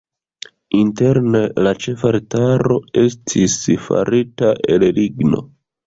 Interne la ĉefaltaro estis farita el ligno.